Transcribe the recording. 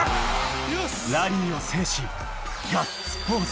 ラリーを制し、ガッツポーズ。